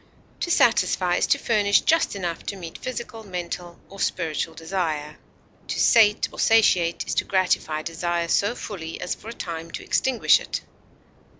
To satisfy is to furnish just enough to meet physical, mental, or spiritual desire. To sate or satiate is to gratify desire so fully as for a time to extinguish it.